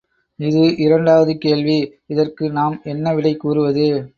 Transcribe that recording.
இது இரண்டாவது கேள்வி இதற்கு நாம் என்ன விடை கூறுவது?